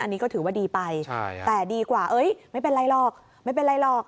อันนี้ก็ถือว่าดีไปแต่ดีกว่าไม่เป็นไรหรอก